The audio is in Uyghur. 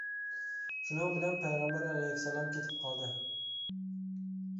شۇنىڭ بىلەن پەيغەمبەر ئەلەيھىسسالام كېتىپ قالدى.